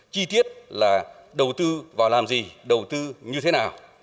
chi tiết là đầu tư và làm gì đầu tư như thế nào